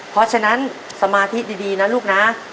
เพราะฉะนั้นสมาธิดีนะลูกนะ